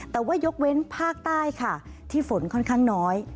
แต่ว่ายกเว้นภาคใต้ค่ะที่ฝนค่อนข้างน้อย